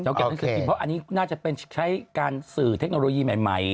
เก็บหนังสือกินเพราะอันนี้น่าจะเป็นใช้การสื่อเทคโนโลยีใหม่